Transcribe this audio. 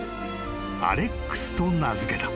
［アレックスと名付けた］